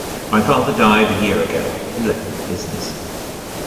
My father died a year ago and left me the business.